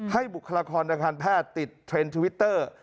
บุคลากรทางการแพทย์ติดเทรนด์ทวิตเตอร์